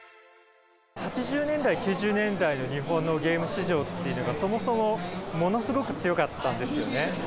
８０年代、９０年代の日本のゲーム市場っていうのが、そもそもものすごく強かったんですよね。